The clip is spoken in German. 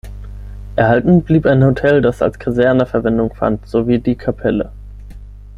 Erhalten blieben ein Hotel, das als Kaserne Verwendung fand, sowie die Kapelle.